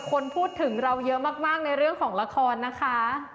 คนพูดถึงเราเยอะมากในเรื่องของละครนะคะ